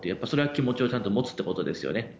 それは気持ちをちゃんと持つということですよね。